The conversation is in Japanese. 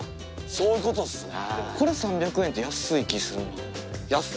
そういうことっすね。